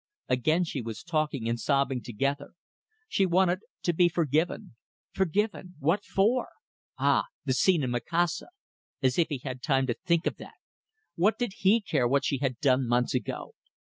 Again she was talking and sobbing together. She wanted to be forgiven. Forgiven? What for? Ah! the scene in Macassar. As if he had time to think of that! What did he care what she had done months ago?